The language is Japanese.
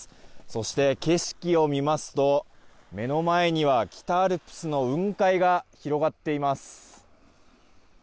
そして、景色を見ますと目の前には北アルプスの雲海が広がっています。